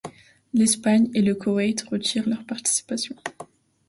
L'Espagne et le Koweït retirent leur participation.